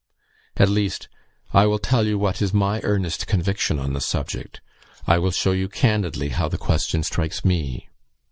At least, I will tell you what is my earnest conviction on the subject; I will show you candidly how the question strikes me.